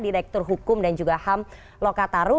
direktur hukum dan juga ham lokataru